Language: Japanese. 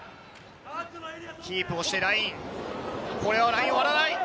キープをして、これはラインを割らない。